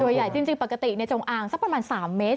โอ้โฮเดี๋ยวพกติจงอ้างที่ซักประมาณ๓๔เมตร